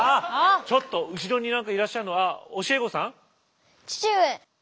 ちょっと後ろにいらっしゃるのは教え子さん？